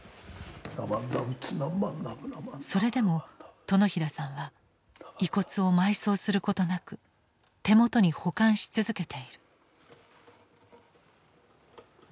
それでも殿平さんは遺骨を埋葬することなく手元に保管し続けている。